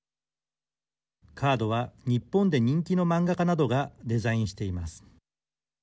カードは日本で人気の漫画家などがデザインしています。